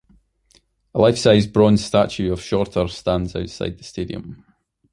A life-size bronze statue of Shorter stands outside the stadium.